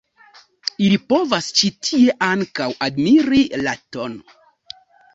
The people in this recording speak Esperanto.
Ili povas ĉi tie ankaŭ admiri la tn.